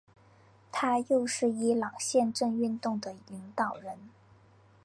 他又是伊朗宪政运动的领导人。